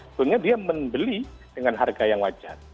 sebetulnya dia membeli dengan harga yang wajar